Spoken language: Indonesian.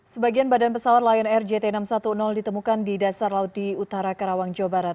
sebagian badan pesawat lion air jt enam ratus sepuluh ditemukan di dasar laut di utara karawang jawa barat